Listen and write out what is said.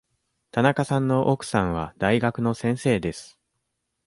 田中さんの奥さんは大学の先生です。